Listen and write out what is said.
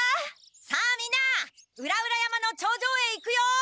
さあみんな裏々山の頂上へ行くよ！